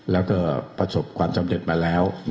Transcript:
แล้วก็ประสบความสำเร็จมาแล้ว